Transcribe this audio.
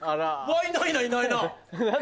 ワイナイナいないな。